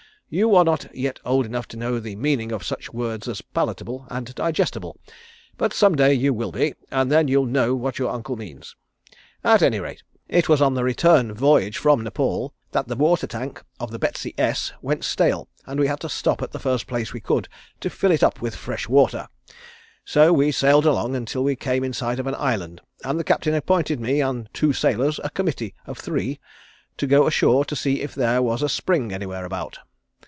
You are not yet old enough to know the meaning of such words as palatable and digestible, but some day you will be and then you'll know what your Uncle means. At any rate it was on the return voyage from Nepaul that the water tank on the Betsy S. went stale and we had to stop at the first place we could to fill it up with fresh water. So we sailed along until we came in sight of an Island and the Captain appointed me and two sailors a committee of three to go ashore and see if there was a spring anywhere about.